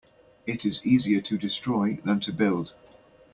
It is easier to destroy than to build.